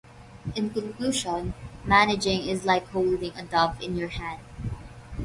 In conclusion, managing is like holding a dove in your hand.